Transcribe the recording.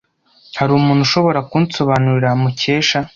Hari umuntu ushobora kunsobanurira Mukesha?